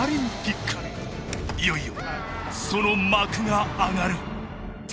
いよいよその幕が上がる！